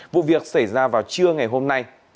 vụ việc xảy ra vào trưa ngày hôm nay